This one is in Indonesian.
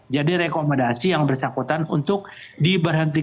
jadi rekomendasi yang bersangkutan untuk diberhentikan